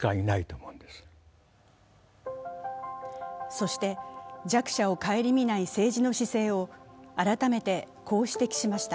そして弱者を顧みない政治の姿勢を改めてこう指摘しました。